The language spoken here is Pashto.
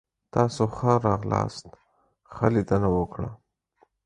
تاسو ښه راغلاست. ښه لیدنه وکړه!